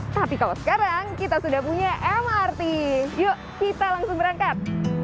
tapi kalau sekarang kita sudah punya mrt yuk kita langsung berangkat